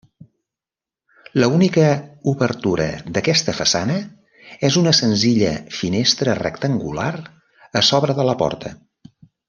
L'única obertura d'aquesta façana és una senzilla finestra rectangular a sobre de la porta.